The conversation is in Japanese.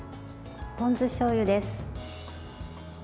ポン酢しょうゆです。